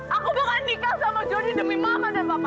aku bakal nikah sama johnny demi mama dan papa